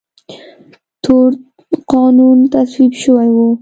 تور قانون تصویب شوی و.